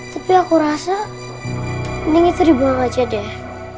tapi aku rasa mending itu dibuang aja deh